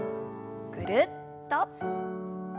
ぐるっと。